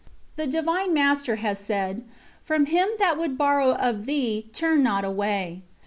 The Divine Master has said: "From him that would borrow of thee turn not away."